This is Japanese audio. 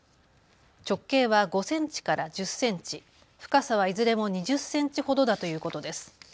直径は５センチから１０センチ、深さはいずれも２０センチほどだということです。